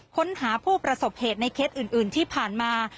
ค้นหาผู้ประสบเหตุในเคสอื่นที่ผ่านมา